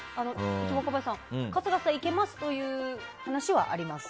若林さん、春日さんいけますという話はあります。